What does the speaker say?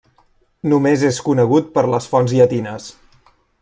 Només és conegut per les fonts llatines.